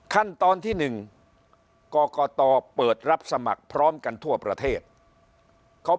ขั้นตอนที่๑กรกตเปิดรับสมัครพร้อมกันทั่วประเทศเขา